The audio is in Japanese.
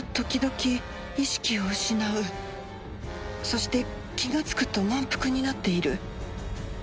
そして気がつくと満腹になっている